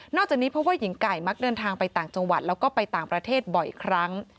จากนี้เพราะว่าหญิงไก่มักเดินทางไปต่างจังหวัดแล้วก็ไปต่างประเทศบ่อยครั้ง